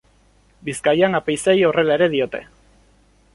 Bizkaian apaizei horrela ere diote.